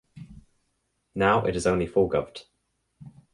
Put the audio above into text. Now it is only fully Govt.